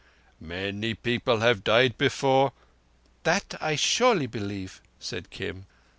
Many people have died before—" "That I surely believe," said Kim.